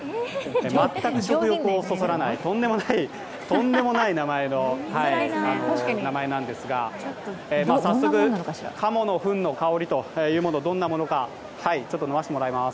全く食欲をそそらない、とんでもない名前の名前なんですが、早速、鴨のふんの香りがどんなものか、飲ませてもらいます。